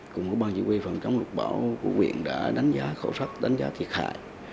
cùng với bàn chỉ huy phòng chống lục bão của quyền đã đánh giá khẩu sắc đánh giá thiệt hại